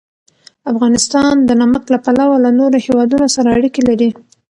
افغانستان د نمک له پلوه له نورو هېوادونو سره اړیکې لري.